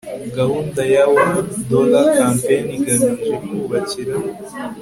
gahunda yaone dollar campaign igamije kubakira